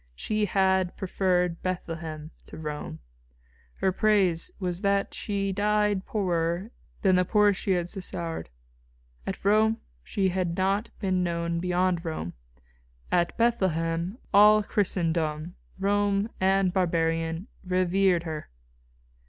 She had preferred Bethlehem to Rome. Her praise was that she died poorer than the poorest she had succoured. At Rome she had not been known beyond Rome. At Bethlehem all Christendom, Roman and barbarian, revered her."